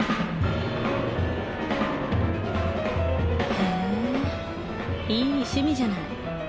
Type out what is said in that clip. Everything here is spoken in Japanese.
・へえいい趣味じゃない。